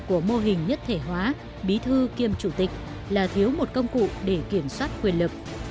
của mô hình nhất thể hóa bí thư kiêm chủ tịch là thiếu một công cụ để kiểm soát quyền lực